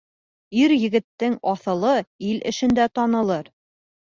Ир-егеттең аҫылы ил эшендә танылыр.